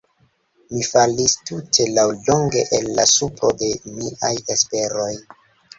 Mi falis tute laŭlonge el la supro de miaj esperoj.